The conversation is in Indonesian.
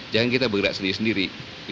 jangan kita bergerak sendiri sendiri